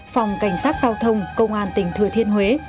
phòng cảnh sát giao thông công an tỉnh thừa thiên huế